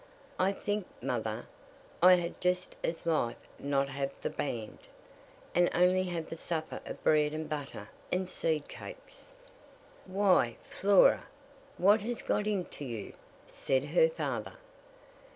"I think, mother, I had just as lief not have the band, and only have a supper of bread and butter and seed cakes." "Why, Flora, what has got into you?" said her father.